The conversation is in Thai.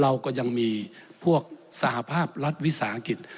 เราก็ยังมีพวกสหภาพรัฐวิสาหกิจ